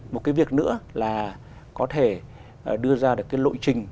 một cái việc nữa là có thể đưa ra được lội trình